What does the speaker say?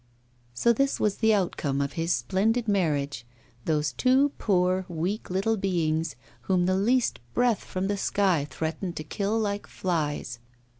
So this was the outcome of his splendid marriage those two poor, weak little beings, whom the least breath from the sky threatened to kill like flies.